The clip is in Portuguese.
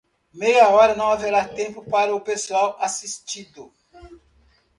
Meia hora não haverá tempo para o pessoal assistido.